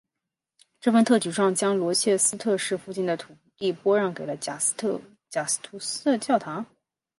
这份特许状将罗切斯特市附近的土地拨让给了贾斯图斯的教堂。